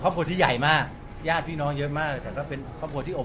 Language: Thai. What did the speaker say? ขอบคุณมากที่เข้ามานาชีพ